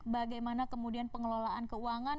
bagaimana kemudian pengelolaan keuangan